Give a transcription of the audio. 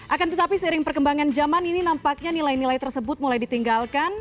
akan tetapi seiring perkembangan zaman ini nampaknya nilai nilai tersebut mulai ditinggalkan